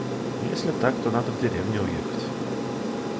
Если так, то надо в деревню уехать.